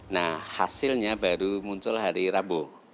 nah hasilnya baru muncul hari rabu